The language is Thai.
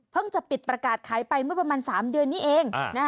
จะปิดประกาศขายไปเมื่อประมาณ๓เดือนนี้เอง